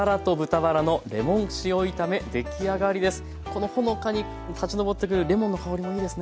このほのかに立ち上ってくるレモンの香りもいいですね。